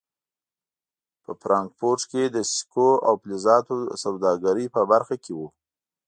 په فرانکفورټ کې د سکو او فلزاتو سوداګرۍ په برخه کې و.